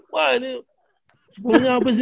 wah ini sepuluhnya abis